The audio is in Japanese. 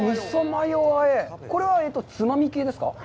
これはつまみ系ですか？